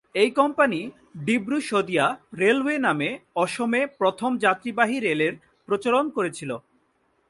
এই company Dibru Sadiya railway নামে অসমে প্রথম যাত্রীবাহী রেলের প্রচলন করেছিল।